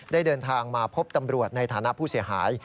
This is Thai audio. เดินทางมาพบตำรวจในฐานะผู้เสียหาย